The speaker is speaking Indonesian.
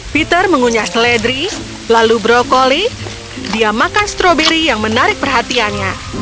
peter mengunyah seledri lalu brokoli dia makan stroberi yang menarik perhatiannya